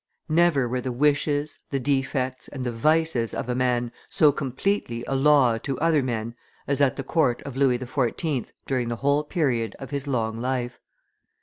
Never were the wishes, the defects, and the vices of a man so completely a law to other men as at the court of Louis XIV. during the whole period of his long life.